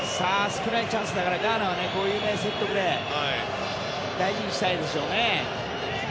少ないチャンスだからガーナはこういうセットプレーは大事にしたいですよね。